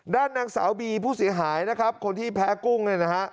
ด้านนางสาวบีผู้เสียหายนะครับคนที่แพ้กุ้งเนี่ยนะฮะ